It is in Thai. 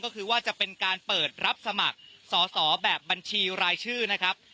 ก็คือว่าจะเป็นการเปิดรับสมัครสอสอแบบบัญชีรายชื่อนะครับ